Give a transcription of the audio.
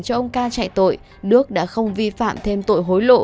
cho ông ca chạy tội đức đã không vi phạm thêm tội hối lộ